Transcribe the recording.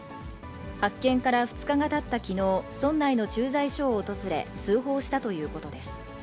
発見から２日がたったきのう、村内の駐在所を訪れ、通報したということです。